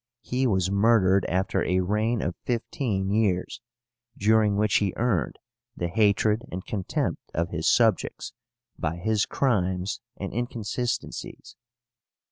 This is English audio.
He was murdered after a reign of fifteen years, during which he earned the hatred and contempt of his subjects by his crimes and inconsistencies.